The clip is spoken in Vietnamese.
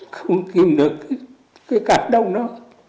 không kìm được cái cảm động đó